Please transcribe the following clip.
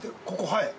◆はい。